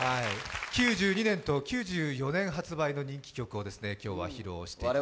９２年と９４年発売の人気曲を今日は披露していただきます。